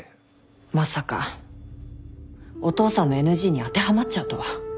まさかお父さんのＮＧに当てはまっちゃうとは。